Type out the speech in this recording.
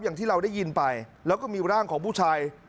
อย่างที่เราได้ยินไปแล้วก็มีร่างของผู้ชาย